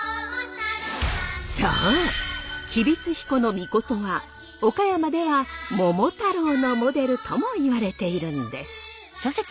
命は岡山では桃太郎のモデルともいわれているんです。